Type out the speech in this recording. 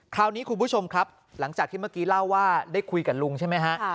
คราวนี้คุณผู้ชมครับหลังจากที่เมื่อกี้เล่าว่าได้คุยกับลุงใช่ไหมฮะ